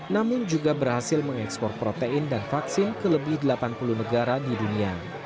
namun juga berhasil mengekspor protein dan vaksin ke lebih delapan puluh negara di dunia